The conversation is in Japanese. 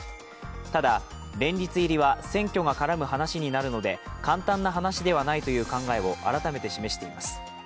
ただ、連立政権入りは選挙が絡む話になるので簡単な話ではないという考えを改めて示しています。